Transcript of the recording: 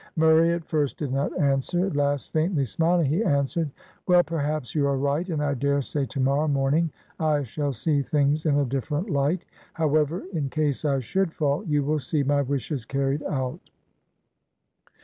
Murray at first did not answer, at last, faintly smiling, he answered "Well, perhaps you are right, and I dare say tomorrow morning I shall see things in a different light. However, in case I should fall, you will see my wishes carried out."